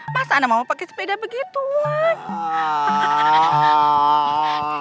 masa anda mau pakai sepeda begituan